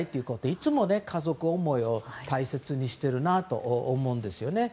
いつも家族思いを大切にしてるなと思うんですよね。